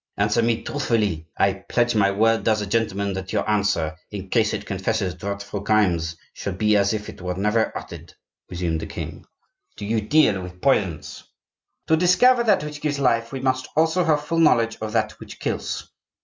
"Answer me truthfully; I pledge my word as a gentleman that your answer, in case it confesses dreadful crimes, shall be as if it were never uttered," resumed the king. "Do you deal with poisons?" "To discover that which gives life, we must also have full knowledge of that which kills."